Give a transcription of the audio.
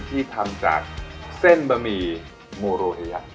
ที่ทำจากเส้นบะหมี่โมโรเฮยะ